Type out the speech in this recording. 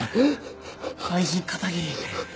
愛人片桐。